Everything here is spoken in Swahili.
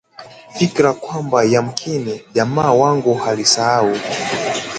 Fikra kwamba yamkini jamaa wangu alisahau